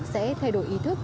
sẽ thay đổi ý thức